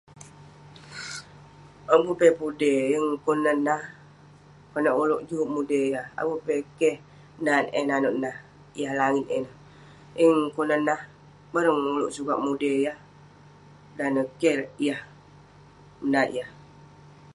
Abu peh pudey yeng kunan nah. Konak ulouk juk mudey yah. Abu peh keh nat eh nanouk nah, yah langit ineh. Yeng kunah nah, bareng ulouk sukat mudey yah. Dan neh keh yah, menat yah.